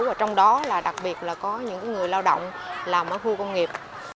và trong đó là đặc biệt là có những người lao động làm ở khu công nghiệp